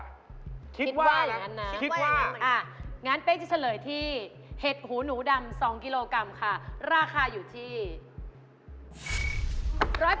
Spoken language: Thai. คิดว่าอย่างนั้นนะงั้นเป๊กจะเฉลยที่เห็ดหูหนูดำ๒กิโลกรัมค่ะราคาอยู่ที่